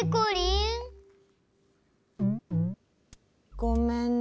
ごめんね。